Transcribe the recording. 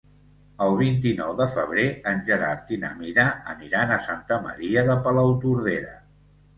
El vint-i-nou de febrer en Gerard i na Mira aniran a Santa Maria de Palautordera.